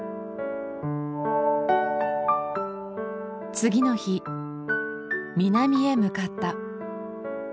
次の日南へ向かった。